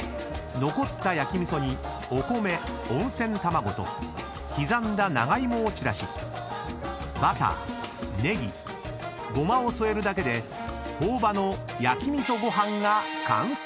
［残った焼き味噌にお米温泉卵と刻んだ長芋を散らしバターネギごまを添えるだけで朴葉の焼き味噌ご飯が完成］